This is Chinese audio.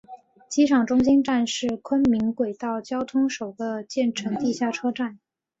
机场中心站是昆明轨道交通首个建成地下车站。